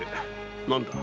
何だ？